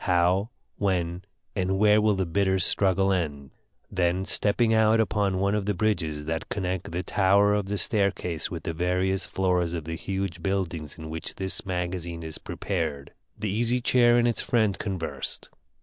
How, when, and where will the bitter struggle end?" Then stepping out upon one of the bridges that connect the tower of the staircase with the various floors of the huge buildings in which this MAGAZINE is prepared, the Easy Chair and its friend conversed.